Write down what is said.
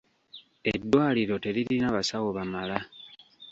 Eddwaliro teririna basawo bamala.